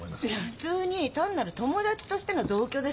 普通に単なる友達としての同居ですよ。